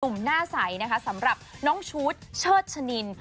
หน้าใสนะคะสำหรับน้องชุดเชิดชะนิน